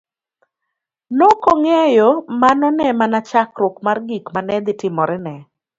Nokong'eyo mano ne mana chakruok mar gik mane dhi timore ne.